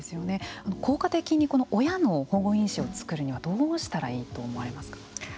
効果的に親の保護因子をつくるにはどうしたらいいと思われますか。